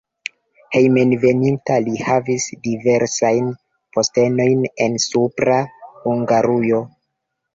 Hejmenveninta li havis diversajn postenojn en Supra Hungarujo.